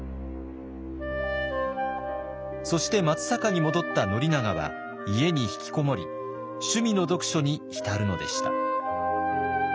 そして松坂に戻った宣長は家に引きこもり趣味の読書に浸るのでした。